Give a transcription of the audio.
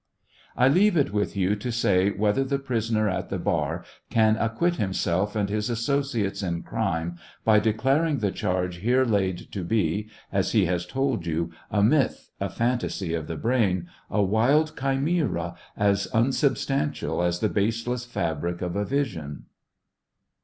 I leave it with you to say whether the prisoner at the bar can acquit himself and his associates in crime by declaring the charge here laid to be, as he has told you, "a myth," "a phantasy of the brain," "a wild chimera, as unsubstantial as the baseless fabric of a vision."